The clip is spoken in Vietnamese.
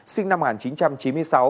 sinh năm một nghìn chín trăm chín mươi sáu